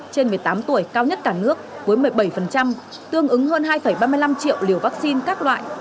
trên một mươi tám tuổi cao nhất cả nước với một mươi bảy tương ứng hơn hai ba mươi năm triệu liều vaccine các loại